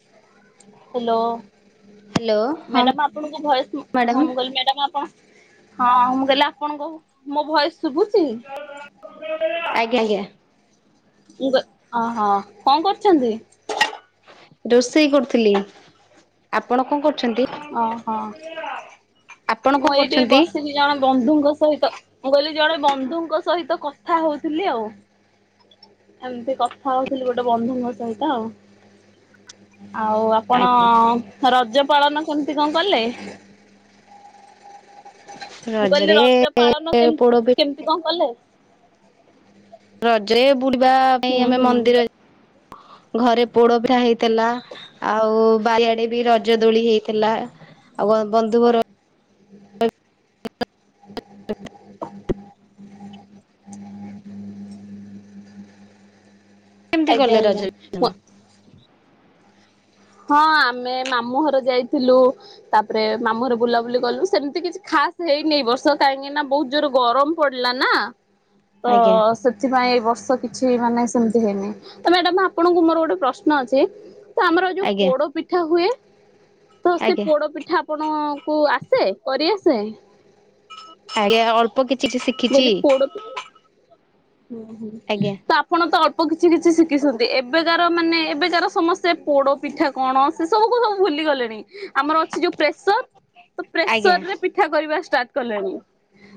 [inaudible] Hello hello ହଁ madam ଆପଣଙ୍କ voice madam ହଁ ମୁଁ କ- ମ୍ୟାଡାମ ଆପଣ ହଁ ମୁଁ କହିଲି ଆପଣଙ୍କ ମୋ ଭୟସ ଶୁଭୁଛି। ଆଞା ଆଞା। ଅହ କଣ କରୁଛନ୍ତି। ରୋଷେଇ କରୁଥିଲି ଆପଣ କଣ କରୁଚ ଓହୋ ଆପଣ କଣ ମୁଁ ଏଇଠି କରୁଛନ୍ତି? ବସିିଲି ଜଣେ ବନ୍ଧୁଙ୍କ ସହିତ ମୁଁ କହିଲି ଜଣେ ବନ୍ଧୁଙ୍କ ସହିତ କଥା ହଉଥିଲି ଆଉ। ଏମତି କଥା ହଉଥିଲି ଗୋଟେ ବନ୍ଧୁଙ୍କ ସହିତ ଆଉ ଆଉ ଆପଣ ଆଜ୍ଞା ରଜ ପାଳନ କେମିତି କଣ କଲେ। ମୁଁ କହିଲି ରଜରେ ରଜ ପାଳନ କେ ପୋଡ ପି କେମିତି କଣ କଲେ। ରଜରେ ବୁଡ଼ିବା ପାଇଁ ହୁଁ ଆମେ ହୁଁ ମନ୍ଦିର ଘରେ ପୋଡ଼ ପିଠା ହେଇଥିଲା ଆଉ ବାରିଆଡ଼୍ ବି ରଜ ଦୋଳି ହେଇଥିଲା। ଆଉ ବନ୍ଧୁବର [inaudible] କେମତି କଲେ ଆଜ୍ଞା ଆଜ୍ଞା। ରଜଜନ ହଁ ଆମେ ମାମୁଁ ଘର ଯାଇଥିଲୁ ତାପରେ ମାମୁଁ ଘର ବୁଲାବୁଲି କଲୁ ସେମିତି କିଛି ଖା ଖାସ୍ ହେଇନି ବର୍ଷା କାହିଁକି ନା ବହୁତ ଜୋର ଗରମ ପଡିଲା ନା। ତ ଆଜ୍ଞା ସେଥିପାଇଁ ଏଇ ବର୍ଷ। କିଛି ମାନେ ସେମିତି ହେଇନି ତ ମ୍ୟାଡମ୍ ଆପଣଙ୍କୁ ମୋର ଗୋଟେ ପ୍ରଶ୍ନ ଅଛି ଆମ ଆଜ୍ଞା ପୋଡ ପିଠା ହୁଏ। ତ ସେ ଆଜ୍ଞା ପୋଡ ପିଠା ଆପଣ କୁ ଆସେ କରିଆସେ। ଆଜ୍ଞା ଅଳ୍ପ କିଛି ଶିଖିଛି। କହିଲି ପୋଡ ପି ହୁଁ ହୁଁ ଆଜ୍ଞା। ତ ଆପଣ ତ ଅଳ୍ପ କିଛି କିଛି ଶିଖିଛନ୍ତି ଏବେକାର ମାନେ ଏବେକାର ସମସ୍ତେ ପୋଡ଼ ପିଠା କଣ ସେ ସବୁକୁ ସବୁ ଭୁଲି ଗଲେଣି। ଆମର ଅଛି ଯୋଉ ପ୍ରେସର ତ ଆଜ୍ଞା ପ୍ରେସର ରେ ପିଠା କରିବା ଷ୍ଟାର୍ଟ କଲେଣି।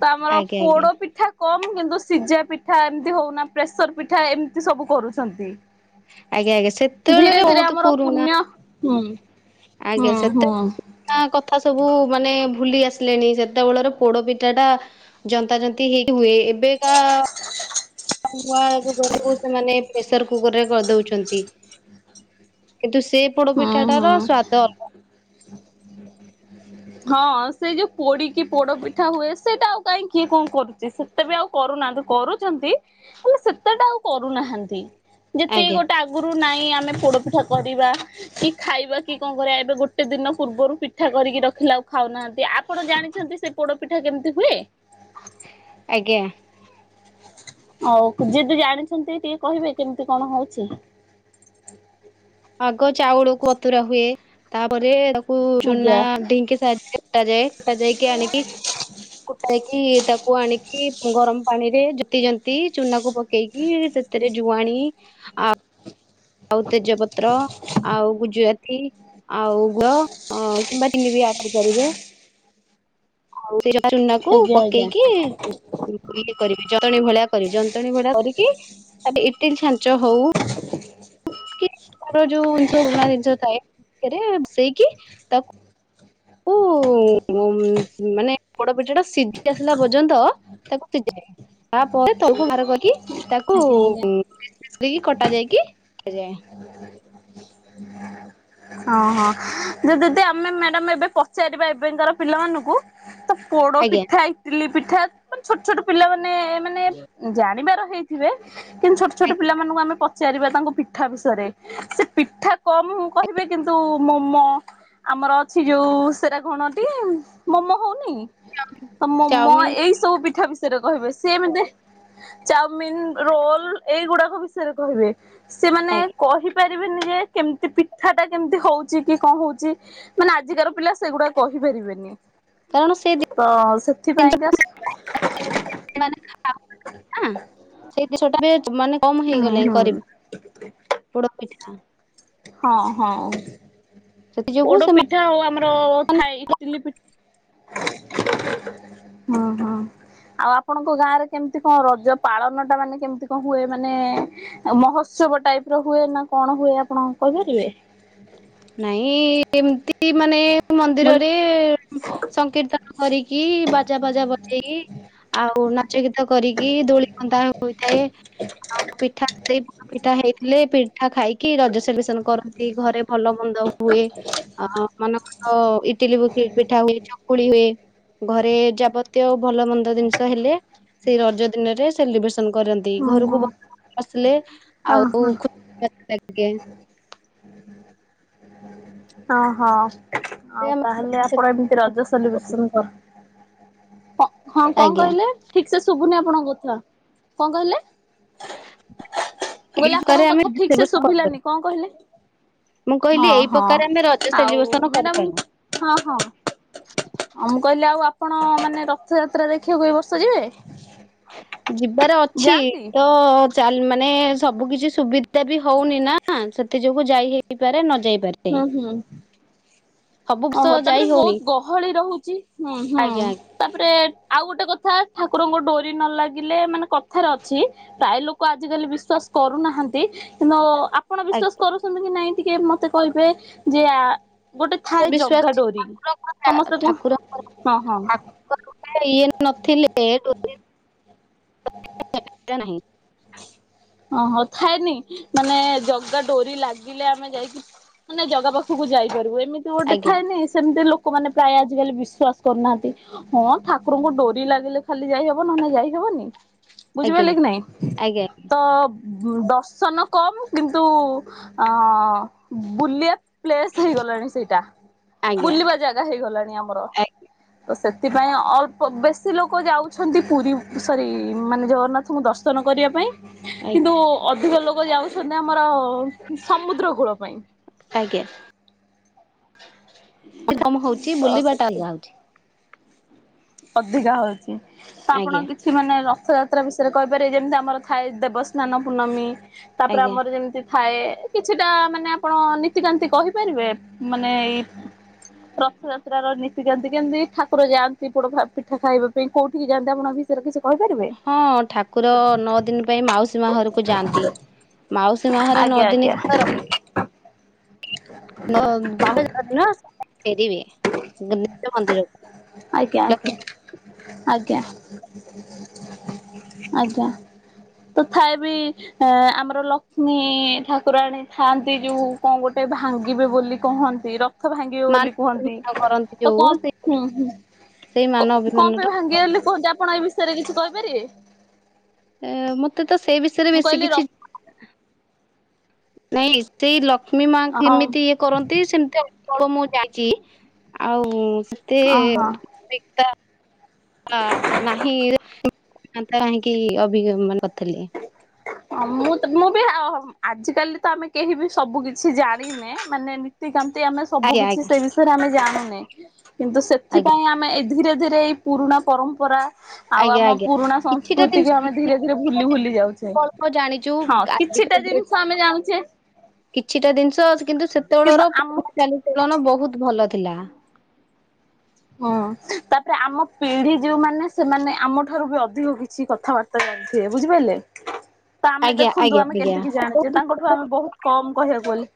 ତ ଆମର ଆଜ୍ଞା ଆଜ୍ଞା ଆଜ୍ଞା ପୋଡ ପିଠା କ କିନ୍ତୁ ସିଝା ପିଠା ଏମିତି ହଉନା ପ୍ରେସର ପିଠା ଏମିତି ସବୁ କରୁଛନ୍ତି। ଆଜ୍ଞା ଆଜ୍ଞା ଧୀରେ ସେତେବେଳରେ ଧୀରେ ବହୁତ ଆମର ପୁରୁଣା ପୁଣ୍ୟ ହୁଁ। ଆଜ୍ଞା ହୁଁ ସେତେ ହୁଁ କଥା ସବୁ ମାନେ ଭୁଲି ଆସିଲେଣି ସେତେବେଳେର ପୋଡ଼ପିଠା ଟା ଜନ୍ତା ଜ ହେଇ ହୁଏ ଏବେକା ନୂଆ ରୁଗରକୁ ସେମାନେ ପ୍ରେସର କୁକର ରେ କରିଦଉଛନ୍ତି। କିନ୍ତୁ ସେ ହୁଁ ପୋଡପିଠାଟାର ହୁଁ ସ୍ଵାଦ ଅଲଗା। [inaudible] ହଁ ସେ ଯୋଉ ପୋଡ଼ି କି ପୋଡ଼ ପିଠା ହୁଏ ସେଇଟା ଆଉ କାହିଁ କିଏ କଣ କରୁଛି ସେତେ ବି ଆଉ କରୁନାହାନ୍ତି। କରୁଛନ୍ତି ହେଲେ ସେତେଟା ଆଉ କରୁନାହାନ୍ତି। ଯେତକି ଆଜ୍ଞା ଗୋଟେ ଆଗରୁ ନାଇଁ ଆମେ ପୋଡ଼ପିଠା କରିବା। କି ଖାଇବା କି କଣ କରିବା ଏବେ ଗୋ ଗୋଟେ ଦିନ ପୂର୍ବରୁ ପିଠା କରିକି ରଖିଲା ଆଉ ଖାଉନାହାନ୍ତି ଆପଣ ଜାଣିଛନ୍ତି ସେ ପୋଡ ପିଠା କେମିତି ହୁଏ? ଆଜ୍ଞା। ଆଉ ଯିଏଦି ଜାଣିଛନ୍ତି ଟିକେ କହିବେ କେମିତି କଣ ହଉଛି? [inaudible] ଆଗ ଚାଉଳକୁ ବତୁରା ହୁଏ ତା ପରେ ପରେ ତାକୁ ଚୁନା ଆଜ୍ଞା। ଢିଙ୍କି ସାଏ ଫଟା ଯାଏ ଫଟା ଯାଇକି ଆଣିକି କୁଟା ହେଇକି ତାକୁ କୁ ଆଣିକି ଗରମ ପାଣି ରେ ଜୋତି ଜନ୍ତି ଚୁନାକୁ ପକେଇକି ସେଥିରେ ଜୁଆଣି ଆଉ ଆଉ ତେଜପତ୍ର ଆଉ ଜୁଆତି ଆଉ ଗୁଅ କିମ୍ବା ଚିନି ବି ଆଡ଼୍ କରିବେ। ହଉ ସେ [unintelligible] ଚୁନା କୁ ଆଜ୍ଞା ଆଜ୍ଞା ପକେଇକି ଇଏ କରିବି ଜନ୍ତଣୀ ଭଳିଆ କରିବି ଜନ୍ତଣୀ ଭଳିଆ କରି କି ତାରେ ଇଟିଲ ଛାଞ୍ଚ ହଉ ଯୋଉ ଜିନିଷ ପୁରୁଣା ଜିନିଷ ଥାଏ ସେଇକି ତାକୁ ଓ ଏଇ ମୁଁ। ଉ ମାନେ ପୋଡ ପିଠା ଟା ସିଝି ଆସିଲା ପର୍ଯ୍ୟନ୍ତ ତାକୁ ସିଝ ତାପରେ ତଳକୁ ବାହାର କରି ତାକୁ ଆଜ୍ଞା ଆଜ୍ଞା। ପିସ ପିସ କରି କଟା ଯାଇକି- [inaudible] [unintelligible] ଓହୋ ଯେ ଯଦି ଆମେ ମ୍ୟାଡାମ ଏବେ ପଚାରିବା ଏବେଙ୍କର ପିଲାମାନଙ୍କୁ ତ ପୋଡ ଆଜ୍ଞା ପିଠା ଇଟିଲି ପିଠା ଛୋଟ ଛୋଟ ପିଲା ମାନେ ମାନେ ଜାଣିବାର ହେଇଥିବେ କିନ୍ତୁ ଛୋଟ ଛୋଟ ଆଜ୍ଞା ପିଲାମାନଙ୍କୁ ଆମେ ପଚାରିବା ତାଙ୍କୁ ପିଠା ବି ସେ ପିଠା କମ୍ କହିବେ କିନ୍ତୁ ମୋମୋ ଆମର ଅଛି ଯୋଉ- ସେଟା କଣଟି ଆଜ୍ଞା ମୋମୋ ହଉନି ତ ମୋମୋ ଚାଉମିନ ଏଇ ସବୁ ପିଠା ବି ବିଷୟରେ କହିବେ ସିଏ ଏମ ଚାଉମିିନ ରୋଲ ଏଇଗୁଡାକ ବିଷୟରେ କହିବେ। ସେମାନେ- ଆଜ୍ଞା ପାରିବେନି ଯେ କେମତି ପିଠାଟା କେମିତି ହଉଛି କି କଣ ହଉଛି ମାନେ ଆଜିକାର ପିଲା ସେଗୁଡା କହିପାରିବେନି। କାରଣ ସେ ତ ଜିନିଷ ସେଥିପାଇଁକା ଆ ମାନେ ସେଇ ଜିନିଷ ଟା ବି ମାନେ କମ ହୁଁ ହେଇଗଲେଣି ହୁଁ କରିବା ପୋଡ ପିଠା ହଁ। ହଁ ହଁ। ସେଥି ଯୋଗୁ ପୋଡ଼ ସେମାନେ ପିଠା ଆଉ ଆମର ଥାଏ ଇଟିଲି ପି ହଁ ହୋ। ଆଉ ଆପଣଙ୍କ ଗାଁରେ କେମିତି କଣ ରଜ ପାଳନ ଟା ମାନେ କେମିତି କଣ ହୁଏ ମାନେ ମହ ଉତ୍ସବ ଟାଇପର ହୁଏ ନା କଣ ହୁଏ ଆପଣ କହିପାରିବେ? ନାଇଁ ଏମତି ମାନେ ମୁଁ କହିଲି ମନ୍ଦିରରେ ସଂକୀର୍ତ୍ତନ କରିକି ବାଜା ବାଜା ବଜେଇକି ଆଉ ନାଚ ଗୀତ କରିକି ଦୋଳି ନ୍ଦା ହୋଇଥାଏ ଆଉ ପିଠା ସେ ପିଠା ହେଇଥିଲେ ପେ ମିଠା ଖାଇକି ରଜ ସେଲିବେସନ କରନ୍ତି ଘରେ ଭଲ ମନ୍ଦ ହୁଏ ଅ ମନ ଅ ଇଟିଲି ପିଠା ହୁଏ ଚକୁଳି ହୁଏ ଘରେ ଯାବତୀୟ ଭଲ ମନ୍ଦ ଜିନିଷ ହେଲେ ସେଇ ରଜ ଦିନରେ ସେଲିବ୍ରେସ କରନ୍ତି ହଁ ଘରକୁ ହଁ ଆସିଲେ ଆଉ ଖୁସି [unintelligible] ହୁଁ। ଓହଁ ସେ ଆଉ ତାହେଲେ ଆମେ- ଆପଣ ଏମିତି ରଜ ସେଲିବ୍ରେସନ କର ହଁ କଣ ଆଜ୍ଞା କହିଲେ ଠିକ ସେ ଶୁଭୁନି ଆପଣ ଙ୍କ କଥା କଣ କହିଲେ? ଏଇ ମୁଁ କହିଲି ପ୍ରକାରେ ଆପଣଙ୍କ ଆମେ କଥା ଠିକ ସେ ସେଲିବ୍ରେସନ କରିପାରୁ। ଶୁଭିଲାନି କଣ କହିଲେ ମୁଁ କହିଲି ହଁ ଏଇ ହଁ ପ୍ରକାର ଆମେ ରଜ ଆଉ ସେଲିବ୍ରେସନ କରିପାରୁ। ମ୍ୟାଡମ ହଁ ହଁ ମୁଁ କହିଲି ଆଉ ଆପଣ ମାନେ ରଥଯାତ୍ରା ଦେଖିବାକୁ ଏ ବର୍ଷ ଯିବେ? ଯିବାର ଅଛି ଯାଆନ୍ତି? ତ ଚା ମା ମାନେ ସବୁ କିଛି ସୁବିଧା ବି ହଉନି ନା ସେଥି ଯୋଗୁ ଯାଇ ହେଇପାରେ ନ ହୁଁ ହୁଁ। ହବ। ଓହୋ ତାପରେ ବହୁତ ଗହଳି ରହୁଛି ହୁଁ ହୁଁ ଆଜ୍ଞା ତାପରେ ଆଉ ଗୋଟେ କଥା ଠାକୁ କୁରଙ୍କ ଡୋରି ନ ଲାଗିଲେ ମାନେ କଥାରେ ଅଛି ପ୍ରାୟ ଲୋକ ଆଜିିକାଲି ବିଶ୍ଵାସ କରୁନାହାନ୍ତି। କିନ୍ତୁ ଆପଣ ବିଶ୍ଵାସ ଆଜ୍ଞା କରୁଛନ୍ତି କି ନାଇଁ ଟିକେ ମତେ କହିବେ ଯେ ଆ ଗୋଟେ ଥାଏ ବିଶ୍ୱାସ ଜଗା ଡୋରି ଠାକୁରଙ୍କ ସମସ୍ତେ କୁହ ଠାକୁରଙ୍କ ହଁ ହଁ। ଠାକୁରଙ୍କ ଇଏ ନଥିଲେଁ [unintelligible] ଓହୋ ଥାଏନି ମାନେ ଜଗା ଡୋରି ଲାଗିଲେ ଆମେ ଯାଇକି ମାନେ ଜାଗା ପାଖକୁ ଯାଇପାରିବୁ ଏମିତି ଗୋଟେ ଆଜ୍ଞା ଥାଏନି ସେମିତି ଲୋକ ଲୋକ ମାନେ ପ୍ରାୟ ଆଜିକାଲି ବିଶ୍ଵାସ କରୁନାହାନ୍ତି ହଁ ଠାକୁରଙ୍କୁ ଡରି ଲାଗିଲେ ଖାଲି ଯାଇହବ ନହେଲେ ଯାଇହବ। ହନି ଆଜ୍ଞା ବୁଝିପାରିଲେ କି ନାଇଁ? ଆଜ୍ଞା ଆଞା। ତ ଦର୍ଶନ କମ୍ କିନ୍ତୁ ଅ ବୁଲିବା ପ୍ଲେସ୍ ହେଇଗଲାଣି ସେଇଟା ଆଜ୍ଞା ବୁଲିବା ଜାଗା ହେଇଗଲାଣି ଆମର ସେଥିପାଇଁ ଅଳ୍ପ ବେଶୀ ଲୋକ ଯାଉଛନ୍ତି ପୁରୀ ସରି ମାନେ ଜଗନ୍ନାଥଙ୍କୁ ଦର୍ଶ କରିବା ପାଇଁ ଆଜ୍ଞା କିନ୍ତୁ ଅଧିକ ଲୋକ ଯାଉଛନ୍ତି ଆ ଆର ସମୁଦ୍ର କୁଳ ପାଇଁ ସେ ତମ ହଉଛି ତ ବୁଲିବାଟା ସେଥି ଅଲ୍ଗା ହଉଛି। ଅଧିକା ହଉଛି ତ ଆପଣ ଆଜ୍ଞା କିଛି ମାନେ ରଥଯାତ୍ରା ବିଷୟରେ କହିପାରିବ ଯେମିତି ଆମର ଥାଏ। ଦେବସ୍ନାନ ପୂର୍ଣ୍ଣମୀ ତାପରେ ଆଜ୍ଞା ଆମର ଯେମିତି ଥାଏ କିଛିଟା ମାନେ ଆପଣ ନୀତିକାକାନ୍ତି କହିପାରିବେ ମାନେ ଏଇ ରଥଯାତ୍ରା ର ନିତିକାନ୍ତି କେମିତି ଠାକୁର ଯାଆନ୍ତି। ପୋଡ଼ ପି ପିଠା ଖାଇବା ପାଇଁ କୋଉଠିକି ଯାଆନ୍ତି ଆପଣ ବିଷୟରେ କିଛି କହିପାରିବେ ହଁ ଠାକୁର ନଅ ଦିନ ପାଇଁ ମାଉସୀ ମା ଘରକୁ ଯାଆନ୍ତି। ମାଉସୀ ମା ଘରେ ଆଜ୍ଞା ନଅ ଦିନୀ ଆଜ୍ଞା କାଳ ରହିକି ନଅ ବାହୁଡ଼ା ଦିନ ଫେରିବେ ନିଜ ମନ୍ଦିରକୁ ଆଜ୍ଞା ଆଜ୍ଞା ଆଜ୍ଞା। ଆଜ୍ଞା। ତଥାପି ବି ଆମର ଲକ୍ଷ୍ମୀ ଠାକୁରାଣୀ ଥାଆନ୍ତି ଯୋଉ କଣ ଗୋଟେ ଭାଙ୍ଗିବେ ବୋଲି କହନ୍ତି ରଥ ଭାଙ୍ଗିବେ ବୋଲି କୁହନ୍ତି। ମାନ କରନ୍ତି ତ ଯୋଉ କଣ ସେଇ ହୁଁ ହୁଁ ସେଇ କ ମାନ କଣ ଅଭିମାନ ପାଇଁ ଟା ଭାଙ୍ଗିଗଲେ କୁହନ୍ତି ଆପଣ ଏ ବିଷ ଶୟରେ କିଛି କହିପାରିବେ? ଏ ମତେ ତ ସେଇ ବିଷୟରେ ମୁଁ ବେଶୀ କହିଲି ର କିଛି ନାଇଁ ସେଇ ଲକ୍ଷ୍ମୀ ମା ହଁ କେମିତି ଇଏ କରନ୍ତି ସେମିତି ଆଉ। ମୁଁ ଜଣିଛି ଆଉ ସେତେ ଓହୋ। ହ ନାହିଁ କାହିଁକି ଅଭିଜ୍ଞ ମାନ କରିଥିଲେ ହ ମୁଁ ତ ମୁଁ ବି ଆଜିକାଲି ତ ଆମେ କେହି ବି ସବୁ କିଛି ଜାଣିନେ ମାନେ ନୀତିକାମ ଆମେ ସବୁ ଆଜ୍ଞା କିଛି ଆଜ୍ଞା ସେ ବିଷୟରେ ଆମେ ଜାଣିନେ କିନ୍ତୁ ଆଜ୍ଞା ସେଥିପାଇଁ ଆମେ ଧୀରେ ଧୀରେ ଏଇ ପୁରୁଣା ପରମ୍ପରା ଆଉ ଆଜ୍ଞା ଆମ ଆଜ୍ଞା ପୁରୁଣା କିଛିଟା ସଂସ୍କୃତିକୁ ଆମେ ଧୀରେ ଧୀରେ ଜିନିଷ ଭୁଲି ଭୁଲି ଯାଉଛେ ଅଳ୍ପ ଜାଣିଛୁ ହଁ କିଛିଟା ଆଜିକା ଜିନିଷ ଆମେ ଜାଣୁଛେ କିଛିଟା ଜିନିଷ ଆ କିନ୍ତୁ କିନ୍ତୁ ସେତେବେଳର ଆମ ଚାଲିଚଳନ ବହୁତ ଭଲ ଥିଲା। ହୁଁ ତାପରେ ଆମ ପିଢି ଯୋଉମାନେ ସେମାନେ ଆମ ଠାରୁ ବି ଅଧିକ କିଛି କଥାବାର୍ତ୍ତା ଯ ବୁଝିପାରିଲେ? ତ ଆମେ ଆଜ୍ଞା ଆଜ୍ଞା ଦେଖନ୍ତୁ ଆମେ ଆଜ୍ଞା କେତିକି ଜାଣିଛେ ତାଙ୍କଠୁ ଆମେ ବହୁତ କମ କହିବାକୁ ଗଲେ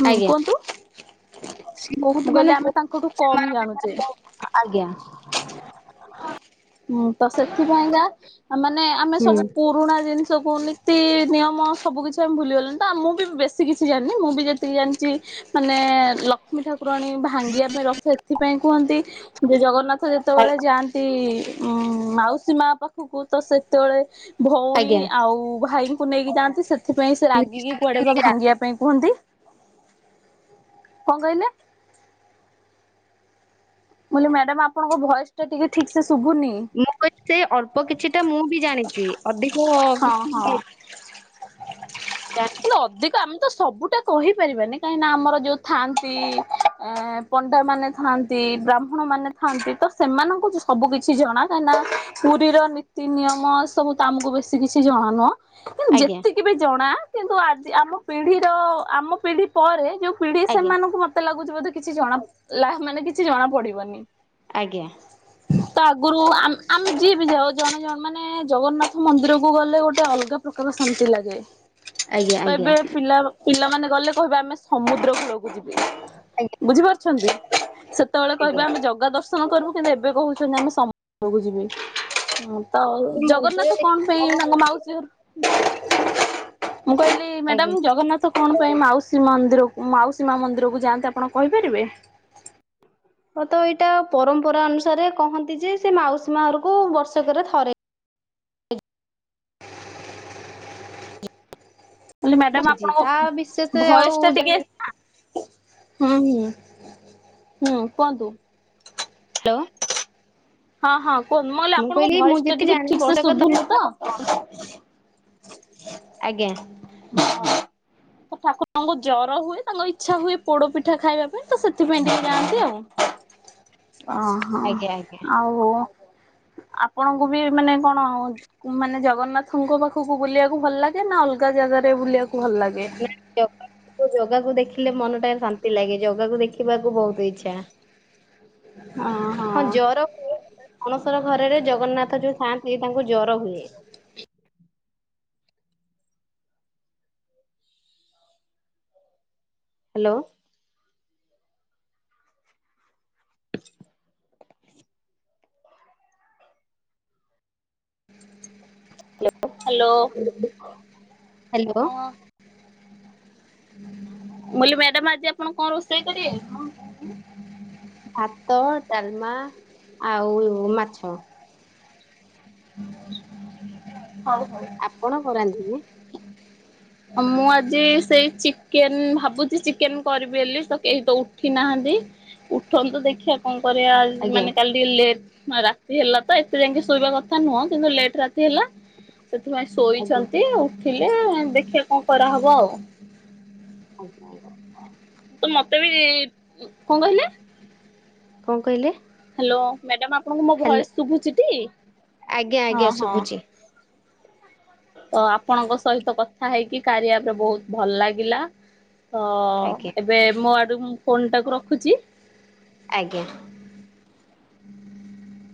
ହୁଁ ଆଜ୍ଞା କୁହନ୍ତୁ ବହୁତ ମୁଁ ମାନେ କହିଲେ ଆମେ ତାଙ୍କଠୁ କମ୍ ଜାଣୁ ଆଜ୍ଞା। ହୁଁ ତ ସେଥିପାଇଁକା ମାନେ ଆମେ ହୁଁ ସବୁ ପୁରୁଣା ଜିନିଷ ସବୁ ନୀତି ନିୟମ ସବୁ କିଛି ଆମେ ଭୁଲିଗଲେଣି ତ ଆଉ ମୁଁ ବି ବେଶୀ କିଛି ଜାଣିନି ମୁଁ ବି ଯେତିକି ଜାଣିଛି ମାନେ ଲକ୍ଷ୍ମୀ ଠା କୁରାଣୀ ଭାଙ୍ଗିବା ପାଇଁ ରଥ ଏଥିପାଇଁ କୁହନ୍ତି ଯେ ଜଗନ୍ନାଥ ଯେତେବେଳେ ଆଜ୍ଞା ଯାଆନ୍ତି ଉଁ ମାଉସୀ ମା ପାଖକୁ ତ ସେତେବେଳେ ଭଉଣୀ ଆଜ୍ଞା ଆଉ ଭାଇ କୁ ନେଇକି ଯାଆନ୍ତି ସେଥିପାଇଁ ସେ ରାଗିକି କୁଆଡ଼େ ବା ସେଇଆ ଭାଙ୍ଗିବା ପାଇଁ କୁହନ୍ତି। କଣ କହିଲେ? ମୁ କହିଲି ମ୍ୟାଡାମ ଆପଣଙ୍କ ଭଏସ ଟା ଟିକେ ଠିକ ସେ ଶୁଭୁନି ମୁଁ କିହିଲି ଅଳ୍ପ କିଛି ଟା ମୁଁ ବି ଜାଣିଛି ଅଧିକ ହଁ ହଁ କିଛି ଅଧିକ ଆମେ ତ ସବୁଟା କହିପାରିବାନି କାହିଁକିନା ଆମର ଯେଉଁ ଥାଆନ୍ତି ପଣ୍ଡାମାନେ ଥାଆନ୍ତି ବ୍ରାହ୍ମଣମାନେ ଥାଆନ୍ତି ତ ସେମାନଙ୍କୁ ସବୁ କିିଛି ଜଣା କାହିଁକିନା ପୁରୀର ନୀତି ନିୟମ ସେ ସବୁ ତ ଆମକୁ ବେଶୀ କିଛି ଜଣାନୁହ କିନ୍ତୁ ଆଜ୍ଞା ଯେତିକି ବି ଜଣା କିନ୍ତୁ ଆଜି ଆମ ପିଢିର ଆମ ପିଢି ପରେ ଯୋଉ ପିଢି ଆଜ୍ଞା ସେମାନଙ୍କୁ ମତେ ଲାଗୁଛି ବୋଧେ କିଛି ଜଣା ମାନେ କିଛି ଜଣା ପଡିବନି। ଆଜ୍ଞା। ତ ଆଗରୁ ଆ-ଆମେ ଯିଏ ବି ଯାଉ ଜଣେ ଜଣ ମାନେ ଜଗନ୍ନାଥ ମନ୍ଦିରକୁ ଗଲେ ଗୋଟେ ଅଲଗା ପ୍ରକାର ଶାନ୍ତି ଲାଗେ ଆଜ୍ଞା ତ ଆଜ୍ଞା ଏବେ ପିଲା ପିଲାମାନେ ଗଲେ କହିଵେ ଆମେ ସମୁଦ୍ର କୂଳକୁ ଯିବି ବୁଝିପାରୁଛନ୍ତି ସେତେବେଳେ କହିବେ ଆଜ୍ଞା ଆମେ ଜଗା ଦର୍ଶନ କରିବୁ କିନ୍ତୁ ଏବେ କହୁଛନ୍ତି ଆମେ ସମୂ କୁ ଯିବି ତ ମନ୍ଦିର ଜଗନ୍ନାଥ ଦେଖି କଣ ପାଇଁ ତାଙ୍କ ମାଉସୀ ଘରକୁ ମୁଁ କହିଲି ଆଜ୍ଞା ମ୍ୟାଡାମ ଜଗନ୍ନାଥ କଣ ପାଇଁ ମାଉସୀ ମନ୍ଦିରକୁ ମାଉସୀ ମା ମନ୍ଦିରକୁ ଯାଆନ୍ତି ଆପଣ କହିପାରିବେ? ମ ତ ଏଇଟା ପରମ୍ପରା ଅନୁସାରେ କହନ୍ତି ଯେ ସେ ମାଉସୀ ମା ଘରକୁ ବର୍ଷକରେ ଥରେ କହିଲି ମ୍ୟାଡାମ ବୁଝିଚି ତା ଆପଣଙ୍କ ବିଶେଷ ଆଉ ଭଏସ ଟା ଟିକେ ଜାଣିନି ହୁଁ ହୁଁ ହୁଁ କୁହନ୍ତୁ। ହ୍ୟାଲୋ। ହଁ ହଁ କୁହନ୍ତ ମୁଁ କହିଲି ଆପଣଙ୍କ ମୁଁ ଭଏସଟା ଯେତେ ଟିକେ ଜାଣିଲି ଠିକ ସେ ବର୍ଷକ ଥରେ ଶୁଭୁନି ତ। ସେଟା ଆଜ୍ଞା। ଠାକୁରଙ୍କୁ ଜର ହୁଏ ତାଙ୍କ ଇଛା ହୁଏ ପୋଡ ପିଠା ଖାଇବା ପାଇଁ ତ ସେଥିପାଇଁ ଟିକେ ଯାଆନ୍ତି ଆଉ। ଓ ହୋ। ଆଜ୍ଞା ଆଜ୍ଞା। ଆପଣଙ୍କୁ ବି ମାନେ କଣ ମାନେ ଜଗନ୍ନାଥଙ୍କ ପାଖକୁ ବୁଲିବାକୁ ଭଲ ଲାଗେ ନା ଅଲଗା ଜାଗାରେ ବୁଲିବାକୁ? ଭଲ ଲାଗେ? ନା ଜଗାକୁ ଦେଖିଲେ ମନ ଟା ଶାନ୍ତି ସି ଲାଗେ ଜଗାକୁ ଦେଖିବାକୁ ବହୁତ ଇଚ୍ଛା। ଓହୋ। ହଁ ଜର ଅଣସର ଘରରେ ଜଗନ୍ନାଥ ଯୋଉ ଖାନ୍ତି ସେ ତାଙ୍କୁ ଜର ହୁଏ। ହ୍ୟାଲୋ। ହ୍ୟାଲୋ ହ୍ୟାଲୋ ହଁ। ମୁ କହିଲି ମ୍ୟାଡାମ ଆଜି ଆପଣ କଣ ରୋଷେଇ କରିବେ? ଭାତ ଡାଲମା ଆଉ ମାଛ। ହଉ ହଉ। ଆପଣ କଣ ରାନ୍ଧିବେ ଆଉ ମୁଁ ଆଜି ସେଇ ଚିକେନ ଭାବୁଛି ଚିକେନ କରିବି ବୋଲି ତ କେହି ତ ଉଠି ନା ହାନ୍ତି ଉଠନ୍ତୁ ଦେଖିବା କଣ ଆଜ୍ଞା ମାନେ କାଲି ଟିକେ ଲେଟ୍ ରାତି ହେଲା ତ ଏତେ ଯାଇକି ଶୋଇବା କଥା ନୁହଁ କିନ୍ତୁ ଲେଟ୍ ରାତି ହେଲା ସେଥିପାଇଁ ଆଜ୍ଞା। ଶୋଇଛନ୍ତି ଆଉ ଥିଲେ ଆଉ ଦେଖିବା କଣ କରାହବ ଆଉ। ଆଜ୍ଞା। ତ ମତେ ବି କଣ କହିଲେ? କଣ କହିଲେ? ହ୍ୟାଲ ମ୍ୟାଡାମ ଆପଣଙ୍କ ମୋ ହ୍ୟାଲୋ ଭୟସ ଶୁଭୁଛିଟି ଆଜ୍ଞା ହଁ ଆଜ୍ଞା ହଁ ଶୁଭୁଛି ତ ଆପଣଙ୍କ ସହିତ କଥା ହେଇକି କାରିୟାପରେ ବହୁତ ଭଲ ଲାଗିଲା। ଆଜ୍ଞା ହଁ ଏବେ ମୋ ଆଡୁ ମୁଁ ଫୋନ୍ ଟାକୁ ରଖୁଛି। ଆଜ୍ଞା। [inaudible]